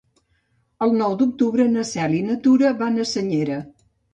El nou d'octubre na Cel i na Tura van a Senyera.